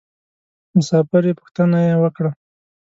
مسافر یې پوښتنه یې وکړه.